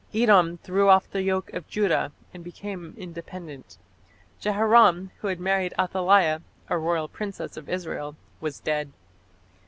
Edom threw off the yoke of Judah and became independent. Jehoram, who had married Athaliah, a royal princess of Israel, was dead.